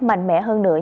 mạnh mẽ hơn nữa